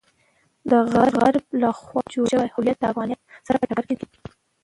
د غرب لخوا جوړ شوی هویت د افغانیت سره په ټکر کې دی.